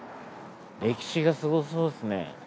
歴史がすごそうですね。